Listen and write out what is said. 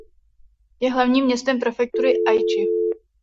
Je hlavním městem prefektury Aiči.